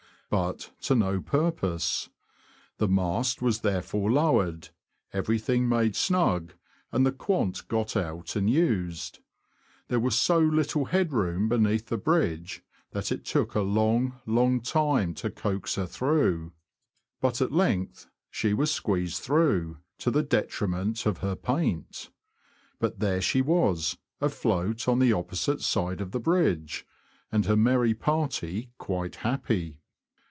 But to no purpose. The mast was therefore lowered, everything made snug, and the quant got out and used. There was so little head room beneath the bridge, that it took a long, long time to coax her through ; but at length LuDHAM Bridge. she was squeezed through, to the detriment of her paint. But there she was, afloat, on the opposite side of the bridge, and her merry party quite happy.